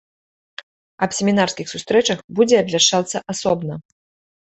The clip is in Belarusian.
Аб семінарскіх сустрэчах будзе абвяшчацца асобна.